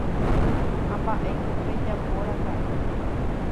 Ha mba'éiko pejapóraka'e.